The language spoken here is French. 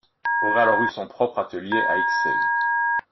Aurait alors eu son propre atelier à Ixelles.